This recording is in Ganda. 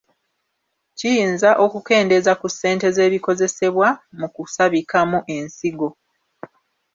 Kiyinza okukendeeeza ku ssente z’ebikozesebwa mu kusabikamu ensigo.